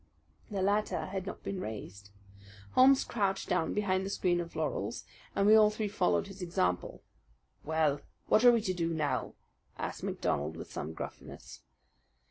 The latter had not been raised. Holmes crouched down behind the screen of laurels, and we all three followed his example. "Well, what are we to do now?" asked MacDonald with some gruffness.